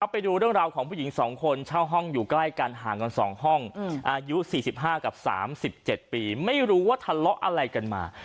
ไปดูเรื่องราวของผู้หญิงสองคนเช่าห้องอยู่ใกล้กันห่างกันสองห้องอายุสี่สิบห้ากับสามสิบเจ็ดปีไม่รู้ว่าทะเลาะอะไรกันมา